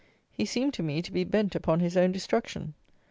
He seemed to me to be bent upon his own destruction.